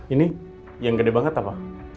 ini yang gede banget apa